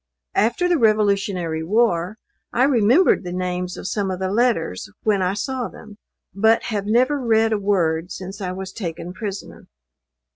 After the revolutionary war, I remembered the names of some of the letters when I saw them; but have never read a word since I was taken prisoner.